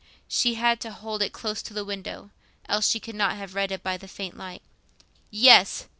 She had to hold it close to the window, else she could not have read it by the faint light. Yes!